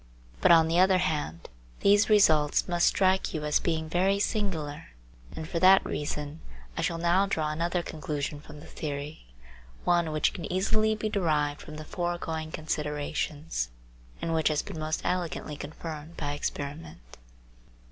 But, on the other hand, these results must strike you as being very singular, and for that reason I shall now draw another conclusion from the theory, one which can easily be derived from the foregoing considerations, and which has been most elegantly confirmed by experiment.